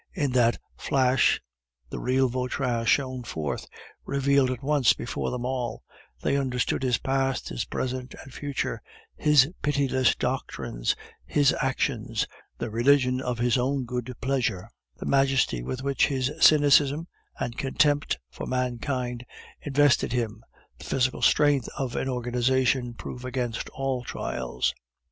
In that flash the real Vautrin shone forth, revealed at once before them all; they understood his past, his present, and future, his pitiless doctrines, his actions, the religion of his own good pleasure, the majesty with which his cynicism and contempt for mankind invested him, the physical strength of an organization proof against all trials.